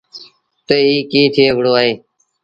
تا ايٚ ڪيٚ ٿئي وهُڙو اهي۔